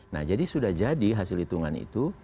nah jadi sudah jadi hasil hitungan itu